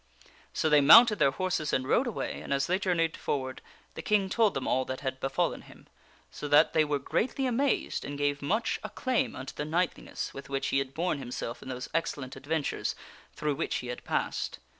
So they mounted their horses and rode away, and as they journeyed forward the King told them all that had befallen him, so that they were greatly amazed, and gave much acclaim unto the knightliness with which he had borne himself in those excellent adventures through which he had passed.